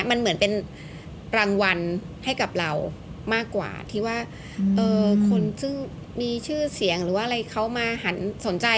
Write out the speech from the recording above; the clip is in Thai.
มันเหมือนเป็นรางวัลให้กับเรามากกว่าที่ว่าคนซึ่งมีชื่อเสียงหรือว่าอะไรเขามาหันสนใจ